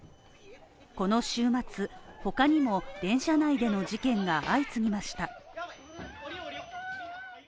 この週末、他にも電車内での事件が相次ぎました。